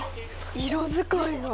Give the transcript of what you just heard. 色使いが。